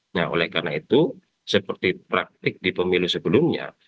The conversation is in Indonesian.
nah oleh karena itu seperti praktik di pemilu sebelumnya